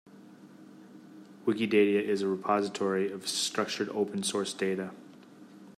Wikidata is a repository of structured open source data.